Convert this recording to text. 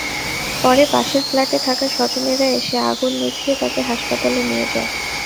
পরে পাশের ফ্ল্যাটে থাকা স্বজনেরা এসে আগুন নিভিয়ে তাঁকে হাসপাতালে নিয়ে যায়।